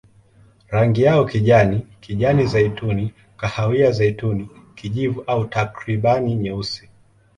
Rangi yao kijani, kijani-zeituni, kahawia-zeituni, kijivu au takriban nyeusi.